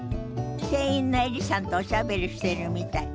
店員のエリさんとおしゃべりしてるみたい。